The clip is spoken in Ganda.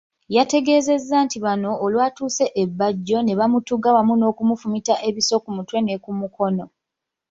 Yategeezezza nti bano olwatuuse e Bajjo ne bamutuga wamu n'okumufumita ebiso ku mutwe ne kumukono.